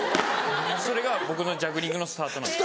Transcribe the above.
それが僕のジャグリングのスタートなんです。